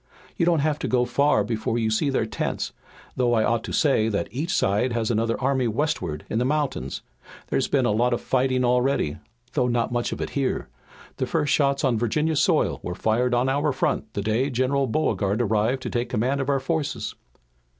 "You don't have to go far before you see their tents, though I ought to say that each side has another army westward in the mountains. There's been a lot of fighting already, though not much of it here. The first shots on Virginia soil were fired on our front the day General Beauregard arrived to take command of our forces."